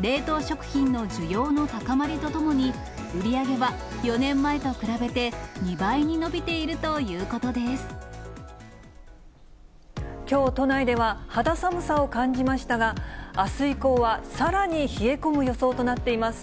冷凍食品の需要の高まりとともに、売り上げは４年前と比べて、きょう、都内では肌寒さを感じましたが、あす以降は、さらに冷え込む予想となっています。